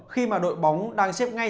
khi mà đội bóng đang xếp ngay